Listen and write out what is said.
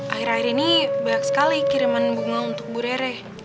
akhir akhir ini banyak sekali kiriman bunga untuk bu rereh